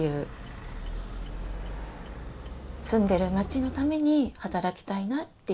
住んでる町のために働きたいなっていう気持ちは